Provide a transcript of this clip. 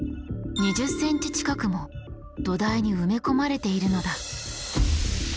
２０ｃｍ近くも土台に埋め込まれているのだ。